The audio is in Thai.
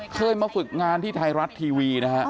เคยมาฝึกงานที่ไทยรัฐทีวีนะฮะ